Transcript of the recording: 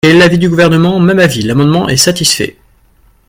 Quel est l’avis du Gouvernement ? Même avis : l’amendement est satisfait.